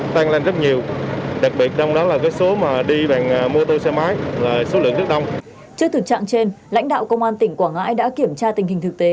trước thực trạng trên lãnh đạo công an tỉnh quảng ngãi đã kiểm tra tình hình thực tế